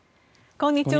こんにちは。